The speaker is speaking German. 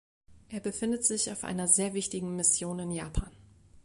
Er befindet sich auf einer sehr wichtigen Mission in Japan.